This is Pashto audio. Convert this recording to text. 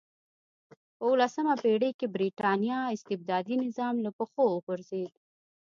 په اولسمه پېړۍ کې برېټانیا استبدادي نظام له پښو وغورځېد.